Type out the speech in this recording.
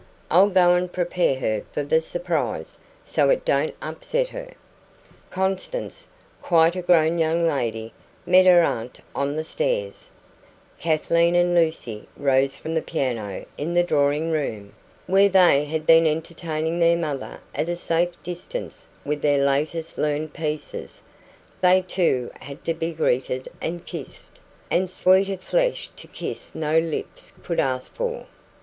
I'll go and prepare her for the surprise, so it don't upset her." Constance, quite a grown young lady, met her aunt on the stairs; Kathleen and Lucy rose from the piano in the drawing room, where they had been entertaining their mother at a safe distance with their latest learned "pieces"; they too had to be greeted and kissed and sweeter flesh to kiss no lips could ask for.